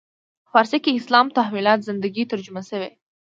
فارسي کې اسلام تحولات زندگی ترجمه شوی.